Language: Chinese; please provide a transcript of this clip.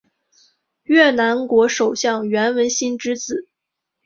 越南国首相阮文心之子。